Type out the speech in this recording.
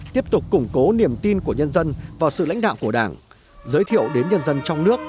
tiếp tục củng cố niềm tin của nhân dân vào sự lãnh đạo của đảng giới thiệu đến nhân dân trong nước